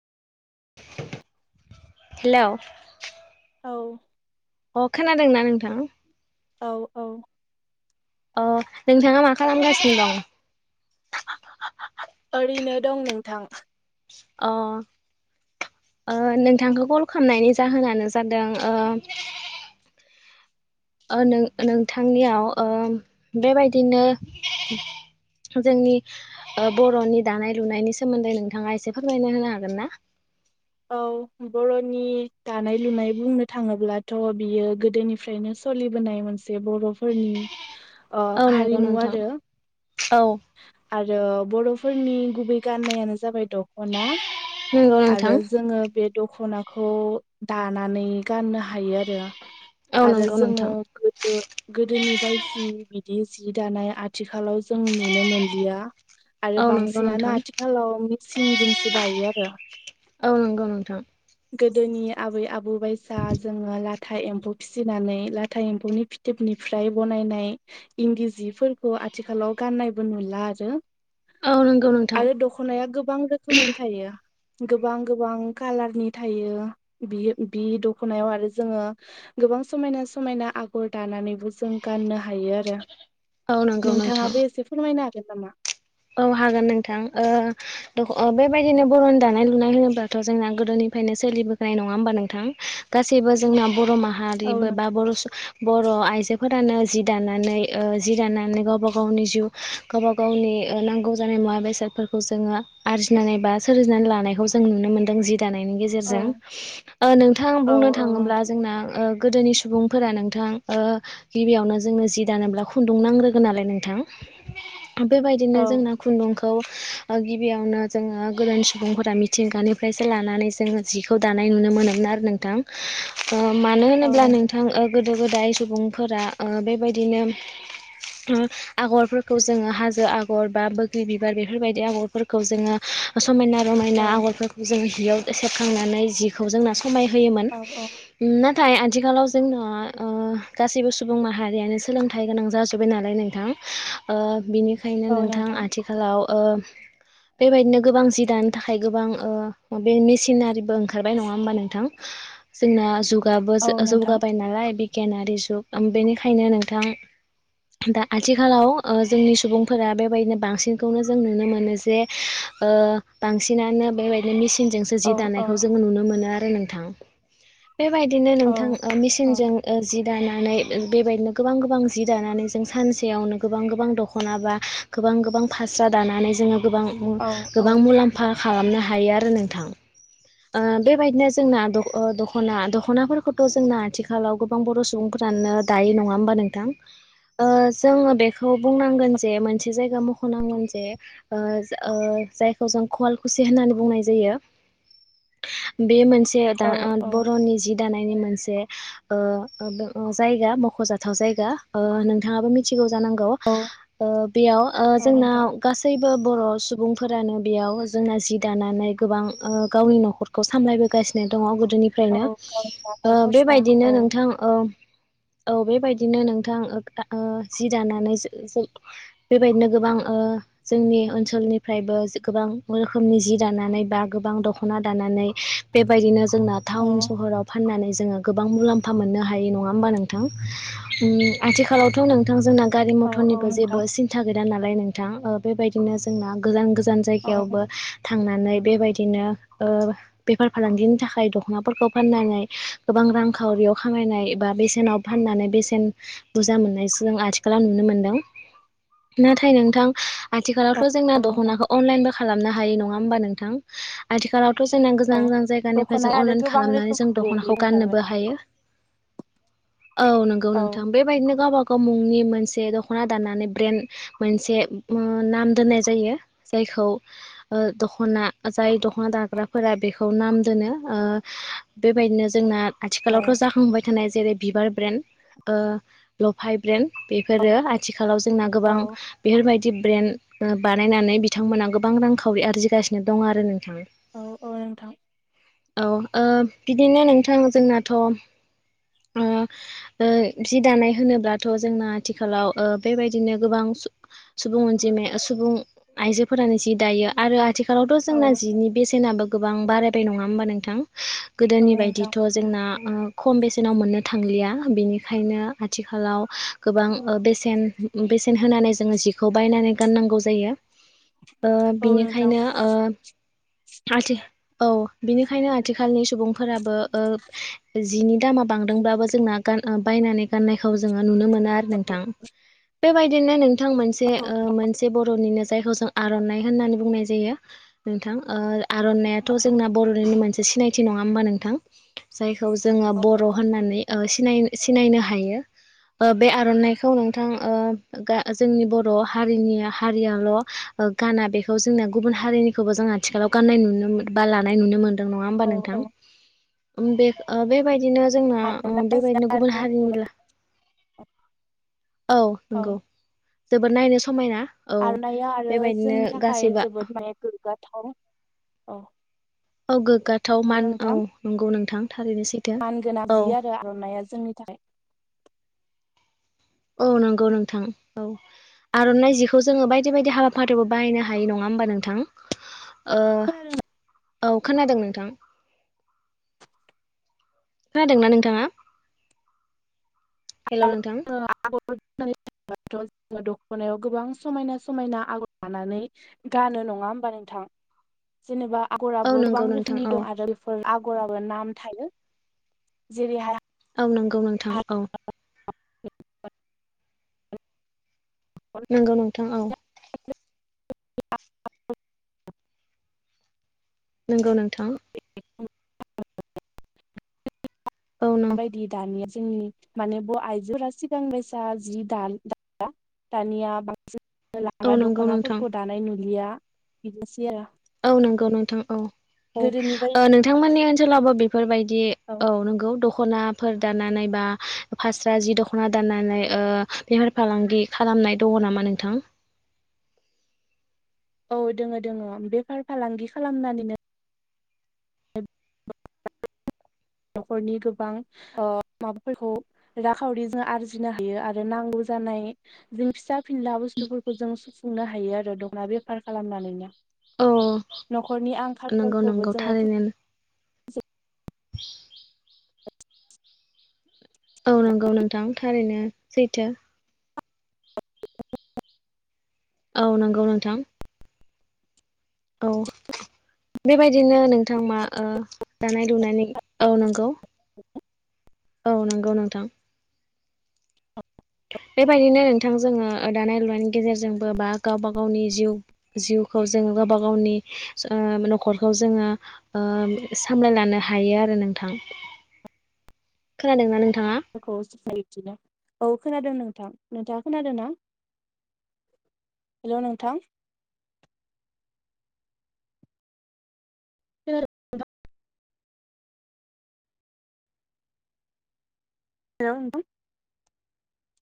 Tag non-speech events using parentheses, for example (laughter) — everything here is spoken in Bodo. हेल' औ अ खोनादोंना नोंथां औ औ अ नोंथाङा मा खालामगासिनो दं ओरैनो दं नोंथां अ ओ नोंथांखौ कल खामनायनि जाहोनानो जादों ओ ओ नों नोंथांनियाव ओ बेबायदिनो जोंनि ओ बर'नि दानाय लुनायनि सोमोन्दै नोंथाङा एसे फोरमायना होनो हागोन ना (inaudible) औ बर'नि दानाय लुनाय बुंनो थाङोब्लाथ' बियो गोदोनिफ्रायनो सलिबोनाय मोनसे बर'फोरनि ओ औ नंगौ हारिमु नोंथां आरो औ आरो बर'फोरनि गुबै गाननायानो जाबाय दख'ना नंगौ नोंथां आरो जोङो बे दखनाखौ दानानै गाननो हायो आरो औ आरो नंगौ जोङो नोंथां गोदो गोदोनि बायसि बिदि जि दानाय आथिखालाव जों नुनो मोनलिया आरो औ नंगौ बांसिनानो नोंथां आथिखालाव मिसिंजोंसो दायो आरो औ नंगौ नोंथां गोदोनि आबै आबौ बायसा जोङो ला- था एम्फौ फिसिनानै लाथा एम्फौनि फिथोबनिफ्राय बनायनाय इन्दि जिफोरखौ आथिखालाव गाननायबो नुला आरो औ नंगौ नोंथां आरो दख'नाया गोबां रोखोमनि थायो गोबां गोबां कालारनि थायो बियो बि दखनायाव आरो जोङो गोबां समायना समायना आगर दाना- नानै जों गाननो हायो आरो औ नंगौ नोंथां नोंथाङाबो एसे फोरमायनो हागोन नामा औ हागोन नोंथां ओ द बेबायदिनो बर'नि दानाय लुनाय होनोब्लाथ' जोंना गोदोनि- फ्रायनो सोलिबोखानाय नङा होमबा नोंथां गासैबो जोंना बर' औ माहारिबो बा नोंथां बर' बर' आइजोफोरानो जि दानानै ओ जि दानानै गावबा गावनि जिउ गावबा गावनि ओ नांगौ जानाय मुवा बेसादफोरखौ जोङो आरजिनानै बा सोरजिनानै लानायखौ जों नुनो मोनदों जि दानायनि औ गेजेरजों ओ नोंथां औ बुंनो औ थाङोब्ला नोंथां जोंना ओ गोदोनि सुबुंफोरा नोंथां ओ गिबियावनो जोंनो जि दानोब्ला खुन्दुं नांग्रोगोन नालाय नोंथां बेबायदिनो औ जोंना खुन्दुं- खौ ओ गिबियावनो जोङो गोदोनि सुबुंफोरा मिथिंगानिफ्रायसो लानानै जोङो जिखौ दानाय नुनो मोनोमोन आरो नोंथां ओ मानो होनोब्ला नोंथां ओ गोदो गोदाय सुबुंफोरा ओ बेबायदिनो (unintelligible) आगरफोरखौ जोङो हाजो आ- गर बा बोग्रि बिबार बेफोरबायदि आगरफोरखौ जोङो समायना औ रमायना आगरफोरखौ जोङो जियाव सेबखांनानै जिखौ जोंना समाय होयोमोन औ औ हम ना- नाथाय आथिखालाव जोंना अ गासैबो सुबुं माहारियानो सोलोंथाइ गोनां जाजोबबाय नालाय नोंथां अ बिनिखायनो नोंथां आथिखालाव अ बेबायदिनो गोबां जि दानो थाखाय गोबां अ माबे मेसिनारिबो ओंखारबाय नंङा होमबा नोंथां जोंना जुगाबो औ नोंथां जौगाबाय नालाय बिगियानारि जुग बेनिखायनो नोंथां दा आथिखालाव अ जोंनि सुबुं फोरा बेबायदिनो बांसिनखौनो जों नुनो मोनो जे ओ बांसिनानो बेबायदिनो मिसिन थिनजोंसो जि औ औ दानायखौ जोंङो नुनो मोनो आरो नोंथां बेबायदिनो औ नोंथां ओ औ मिसिनजों ओ जि दानानै बेबायदिनो गोबां गोबां जि दानानै जों सानसेयावनो गोबां गोबां दख'ना बा गोबां गोबां फास्रा दानानै जोंङो गोबां औ गोबां मुलाम्फा खालामनो हायो आरो नोंथां। अ बेबायदिनो जोंना दख'ना दख'नाफोरखौथ' जोंना आथिखालाव गोबां बर' सुबुंफोरा साननो दायो नंङा होमबा नोंथां? ओ जोंङो बेखौ बुंनांगोन जे मोनसे जायगा मख'नांगोन जे ओ जायखौ जों खवल खुसि होननानै बुंनाय जायो। बे मोनसे दा औ अ औ बर'नि जि दानायनि मोनसे जे ओ जायगा मुंखोजाथाव जायगा अ नोंथांआबो मिथिगौ जानांगौ औ ओ बेआव अ औ जोंनाव नोंथां गासौबो बर सुबुंफोरानो बेयाव जोंना जि दानानै गोबां गावनि न'खरखौ सामलायबोगासिनो दंङ औ दोनिफ्रायनो गावनि अ आखाइ खरसा बेबायदिनो औ नोंथां अ औ बेबायदिनो नोंथां जि दानानै बेबायदिनो गोबां जोंनि ओनसोलनिफ्रायबो गोबां रोखोमनि जि दानानै बा गोबां दख दखना दानानै बेबायदिनो जोंना औ थाउन सहाव फाननानै ज जोंङो गोबां मुलाम्फा मोननो हायै नंङा होमबा नोंथां आथिखालावथ' नोंथां जोंना गारि औ औ मथरनिबो नोंथां जेबो सिन्था गैया नालाय नोंथां अ बेबायदिनो जोंना गोजान गोजान गोजान औ जायगायावबो थांनानै बेबायदिनो ओ बेफार फालांगिनि थाखाय दख'नाफोरखौ फाननानै गोबां रांखावरियाव खामायनाय बा (unintelligible) बेसेनाव फाननानै बेसेन बुरजा मोननाय जों आथिखालाव नुनो मोनदों नाथाय नोंथां आथिखालावथ' जोंना औ नोंथां दख'नाखौ अनलाइनबो खालामनो हायो नंङा होमबा नोंथां आथिखालाव दसराना औ गोजान गोजान जायगानिफ्राय जों दख'ना आरो अनलाइन गोबां खालामनानै रोखोम जों ब्रेन्डनि दख'नाखौ ओंखारबाय गाननोबो हायो औ नंगौ औ नोंथां बेबायदिनो गावबा गाव मुंनि मोनसे दख'ना दाननानै ब्रेन्द मोनसे नाम दोननाय जायो जायखौ ओ दख'ना जाय द दखना दाग्राफोरा बेखौ नाम दोनो अ बेबायदिनो जोंना औ आथिखालावथ' जाखांबाय थानाय जेरै बिबार ब्रेन्ड ओ लफाय ब्रेन्ड औ बेफोरो आथिखालाव जोंना गोबां औ बेफोरबायदि टि ब्रेन्ड ओ बानायनानै बिथांमोनहा गोबां रांखावरि आरजिगासिनो दं आरो नोंथां औ औ नोंथां औ ओ बिदिनो नोंथां जोंनाथ' ओ जि दानाय होनोब्लाथ' जोंना आथिखालाव ओ बेबायदिनो गोबां सुबुं अनजिमा सुबुं आइजोफोरानो जि दायो आरो आथिखालावथ' औ जोंना जिनि बेसेनाबो गोबां बारायबाय नंङा होमबा नोंथां? औ गोदोनि नोंथां बायदिथ' जोंना ओ खम बेसेनाव मोननो थांलिया बेनिखायनो आथिखालाव गोबां ओ बेसेन बेसेन होनानै जोंङो जिखौ बायनानै गाननांगौ जायो अ औ नोंथां बिनिखायनो थि औ बिनिखायनो आथिखालनि सुबुंफोराबो जिनि दामाव बांदोंब्लाबो जोंना बायनानै गाननायखौ जोंङो नुनो मोना आरो नोंथां बेबायदिनो नोंथां मोनसे ओ मोनसे बर'निनो जायखौ जों आर'नाइ होननानै बुंनाय जायो थां आर'नाइयाथ' जोंना बर'निनो मोनसे सिनायथि नङा होमबा नोंथां जाय खौ जोङो बर' होननानै ओ सिनाय सिनायनो हायो। ओ बे आर'नाइखौ नोंथां ओ गा जोंनि बर' हारिनि हारियाल' ओ गाना बेखौ जोंना गुबुन हारिनि खौबो जों आथिखालाव गाननाय नुनो मोन बा लानाय नुनो मोन्दों नङा होमबा औ औ नोंथां। उम बे ओ बेबायदिनो जोंना ओ आर'नाइ बेबायदिनो गुबुन हारिनिब्ला औ नंगौ जोबोद नायनो समायना औ आर'नाया आरो बेबायदिनो जोंनि थाखाय गासैबो जोबोद माने गोग्गाथाव औ औ गोग्गाथाव मान औ नंगौ नोंथां। थारैनो सैथो मान गोनां औ जि आरो आर'नाइया जोंनि थाखाय औ नंगौ नोंथां औ आर'नाइ जिखौ जोङो बायदि बायदि हाबाफारियावबो बाहायनो हायो नङा होमबा नोंथां ओ औ खोनादों नोंथां खोनादोंना नोंथाङा? हेलौ (inaudible) नोंथां (unintelligible) थ' जोङो दख'नायाव गोबां समायना समायना आगर लानानै गानो नङा होमबा नोंथां जेनेबा औ आगराबो नंगौ गोबां नोंथां रोखोमनि औ दं आरो बेफोर आगराबो नाम थायो जेरैहा औ नंगौ नोंथां औ (inaudible) नंगौ नोंथां औ (inaudible) नोंगौ नोंथां (inaudible) औ नों माबायदि दानिया जोंनि माने ब' आइजोफोरा सिगां बायसा जि (unintelligible) दानिया बांसिन औ लांगा नंगौ नोंथां दख'नाफोरखौ दानाय नुुलिया बिदिनोसै आरो औ नंगौ नोंथां औ औ गोदोनि ओ बायदि नोंथांमोननि ओनसोलावबो बेफोरबायदि औ नंगौ द ख'नाफोर दाननानै बा फास्रा जि दख'ना दाननानै ओ बेफार फालांगि खालाम नाय दङ' नामा नोंथां औ दोङो दोङो बेफार फालांगि खालामनानैनो न'खरनि गोबां ओ माबाफोरखौ राखावरिजों आरजिनो हायो आरो नांगौ जानाय जों फिसा फिनला बुस्थुफोरखौ जों सुफुंनो हायो आरो दखना बेफार खालामनानैनो औ न'खरनि नंगौ आंखालफोरखौबो नंगौ जोङो थारैनो (unintelligible) औ नंगौ नोंथां थारैनो सैथो औ नंगौ नोंथां औ बेबायदिनो नोंथां मा ओ दानाय लुनायनि औ नंगौ (unintelligible) औ नंगौ नोंथां (unintelligible) (unintelligible) बेबायदिनो नोंथां जोङो दानाय लुनायनि गेजेरजोंबो बा गावबा गावनि जिउ जिउखौ जोङो गावबा गावनि ओ न'खरखौ जोङो ओ सामलायलनो हायो आरो नोंथां। खोनादोंना नों (unintelligible) औ खोनादों नोंथां नोंथाङा खोनादों ना हेल' नोंथां (inaudible) हेल (inaudible)